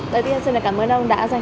đầu tiên xin cảm ơn ông đã dành